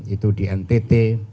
itu di ntt